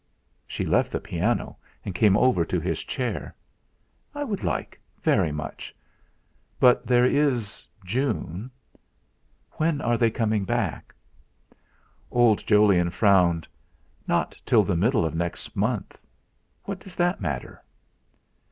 She left the piano and came over to his chair. "I would like, very much; but there is June. When are they coming back?" Old Jolyon frowned. "Not till the middle of next month. What does that matter?"